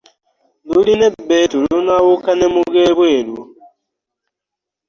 Lurina ebbeetu lunaawuka n'e mugebweru .